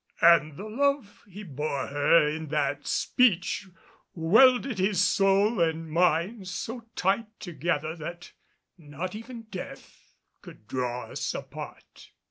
And the love he bore her in that speech welded his soul and mine so tight together that not even death could draw us apart.